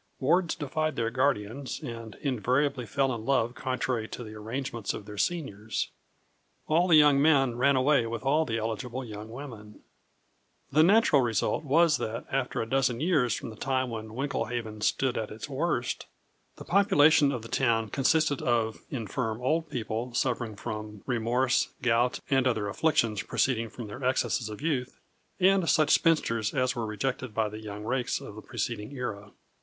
Wards defied their guardians, and invariably fell in love contrary to the arrangements of their seniors. All the young men ran away with all the eligible young women. The natural result was that after a dozen years from the time when Winklehaven stood at its worst, the population of the town consisted of infirm old people suffering from remorse, gout, and other afflictions proceeding from the excesses of youth, and such spinsters as were rejected by the young rakes of the preceding era.